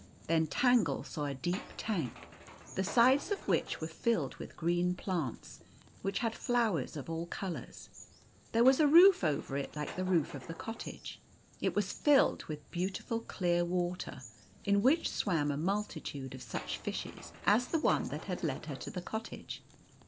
Then Tangle saw a deep tank, the sides of which were filled with green plants, which had flowers of all colours. There was a roof over it like the roof of the cottage. It was filled with beautiful clear water, in which swam a multitude of such fishes as the one that had led her to the cottage.